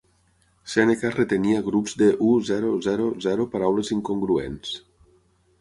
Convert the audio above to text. Sèneca retenia grups de u.zero zero zero paraules incongruents.